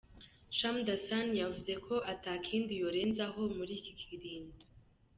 Shamdasani yavuze ko ata kindi yorenza ho muri iki kiringo.